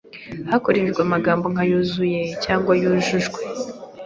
hakoreshejwe amagambo nka "wuzuye" cyangwa wujujwe